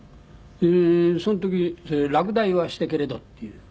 その時『落第はしたけれど』っていう。